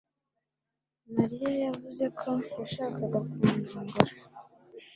Mariya yavuze ko yashakaga kundongora